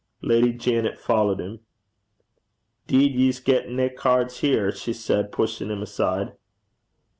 Lady Janet followed him. ''Deed ye s' get nae cairds here,' she said, pushing him aside.